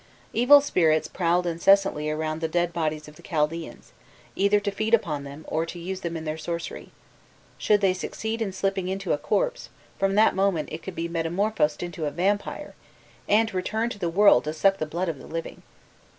Evil spirits, prowled incessantly around the dead bodies of the Chaldaeans, either to feed upon them, or to use them in their sorcery: should they succeed in slipping into a corpse, from that moment it could be metamorphosed into a vampire, and return to the world to suck the blood of the living.